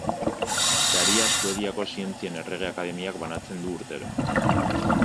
Saria Suediako Zientzien Errege-Akademiak banatzen du urtero.